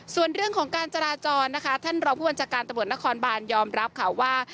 ส่วนเรื่องของการจราจรนะคะท่านรองผู้บัญชาการตำรวจนครบานยอมรับค่ะว่า